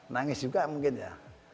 nangis juga mungkin ya